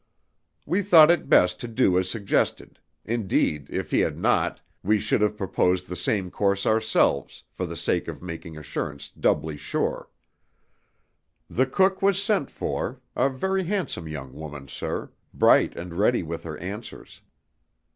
"We thought it best to do as he suggested indeed, if he had not, we should have proposed the same course ourselves, for the sake of making assurance doubly sure. The cook was sent for, a very handsome young woman, sir, bright and ready with her answers.